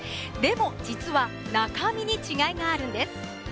でも実は中身に違いがあるんです。